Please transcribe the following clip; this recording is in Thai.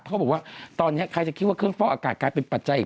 เขาบอกว่าตอนนี้ใครจะคิดว่าเครื่องฟอกอากาศกลายเป็นปัจจัยอีก